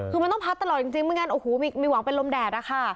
คือมันต้องพัดตลอดจริงเพราะงั้นมีหวังเป็นลมแดดค่ะ